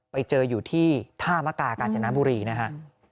ไปเจออยู่ที่ท่ามกากาญจนบุรีนะฮะ